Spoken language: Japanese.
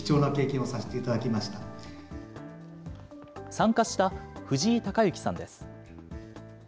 参加した藤井隆行さんです。